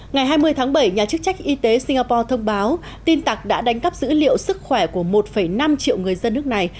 ngày hai mươi tháng bảy nhà chức trách y tế singapore thông báo tin tặc đã đánh cắp dữ liệu sức khỏe của một năm triệu người dân nước này